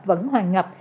vẫn hoàn ngập